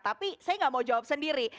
tapi saya nggak mau jawab sendiri